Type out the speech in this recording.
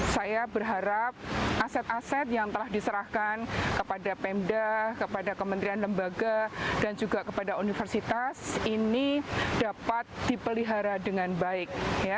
saya berharap aset aset yang telah diserahkan kepada pemda kepada kementerian lembaga dan juga kepada universitas ini dapat dipelihara dengan baik